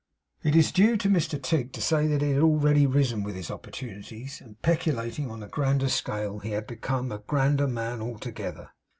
It is due to Mr Tigg to say that he had really risen with his opportunities; and, peculating on a grander scale, he had become a grander man altogether.